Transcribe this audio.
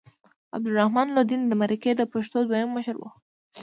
عبدالرحمن لودین د مرکه د پښتو دویم مشر و.